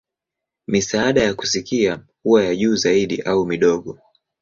Misaada ya kusikia huwa ya juu zaidi au midogo.